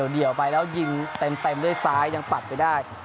เดี่ยวไปแล้วยิงเต็มด้วยซ้ายยังปัดไปได้